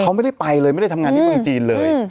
เขาไม่ได้ไปเลยไม่ได้ทำงานที่เมืองจีนเลย